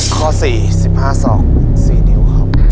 ข้อ๔๑๕ศอก๔นิ้วครับ